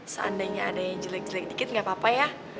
seandainya ada yang jelek jelek dikit gak apa apa ya